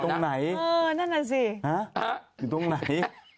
อยู่ตรงไหนเออนั่นนั่นสิฮะอยู่ตรงไหน